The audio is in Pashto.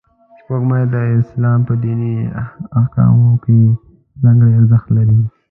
سپوږمۍ د اسلام په دیني احکامو کې ځانګړی ارزښت لري